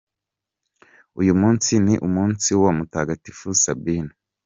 Uyu munsi ni umunsi wa Mutagatifu Sabina.